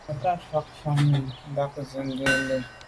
Be ke mfà’ fà’ à num bam s’a be ndô.